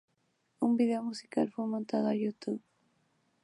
Un video musical fue montado a YouTube.